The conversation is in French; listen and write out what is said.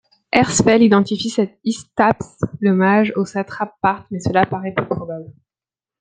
Herzfeld identifie cet Hystaspe le Mage au satrape parthe, mais cela paraît peu probable.